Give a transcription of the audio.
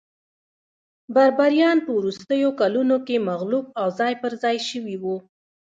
بربریان په وروستیو کلونو کې مغلوب او ځای پرځای شوي وو